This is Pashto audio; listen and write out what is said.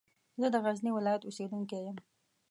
زه د غزني ولایت اوسېدونکی یم.